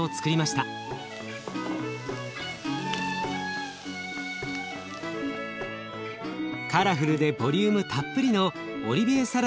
カラフルでボリュームたっぷりのオリビエサラダを入れたら出来上がり。